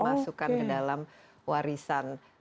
masukkan ke dalam warisan